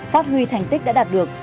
phát huy thành tích đã đạt được